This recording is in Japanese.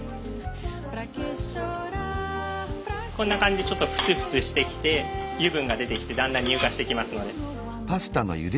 こんな感じでちょっとフツフツしてきて油分が出てきてだんだん乳化してきますので。